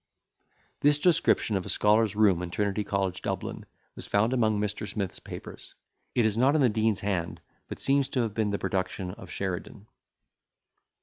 This description of a scholar's room in Trinity College, Dublin, was found among Mr. Smith's papers. It is not in the Dean's hand, but seems to have been the production of Sheridan.